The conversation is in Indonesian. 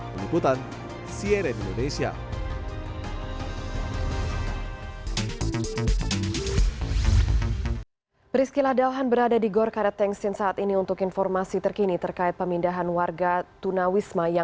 penyiputan siena indonesia